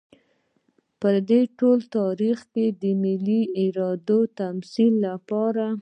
په خپل ټول تاريخ کې د ملي ارادې د تمثيل لپاره.